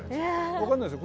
分かんないですよ。